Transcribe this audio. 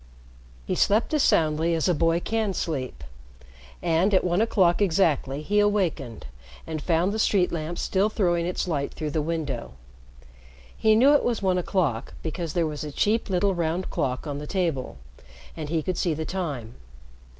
He slept as soundly as a boy can sleep. And at one o'clock exactly he awakened, and found the street lamp still throwing its light through the window. He knew it was one o'clock, because there was a cheap little round clock on the table, and he could see the time.